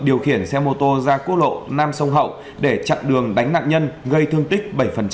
điều khiển xe mô tô ra quốc lộ nam sông hậu để chặn đường đánh nạn nhân gây thương tích bảy